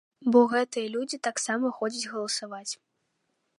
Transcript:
Бо гэтыя людзі таксама ходзяць галасаваць.